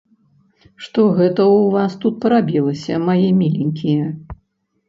Што гэта ў вас тут парабілася, мае міленькія?